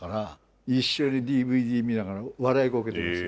一緒にＤＶＤ見ながら笑いこけてます。